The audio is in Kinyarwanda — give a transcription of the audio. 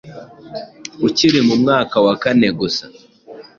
Ukiri mu mwaka wa kane gusa!